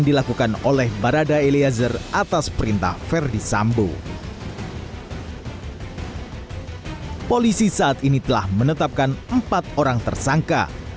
dari vital intense xx sakseting nye pikir juga tim kepala rakyat orang bernama liquor necklace